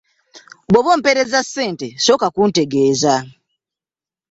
Bw'oba ompeereza ssente sooka kuntegeeza.